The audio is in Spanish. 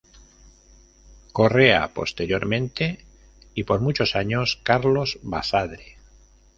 Correa, posteriormente, y por muchos años, Carlos Basadre.